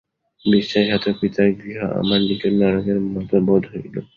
বিশ্বাসঘাতক পিতার গৃহ আমার নিকট নরকের মতো বোধ হইল।